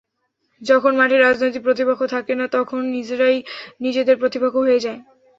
যখন মাঠে রাজনৈতিক প্রতিপক্ষ থাকে না, তখন নিজেরাই নিজেদের প্রতিপক্ষ হয়ে যায়।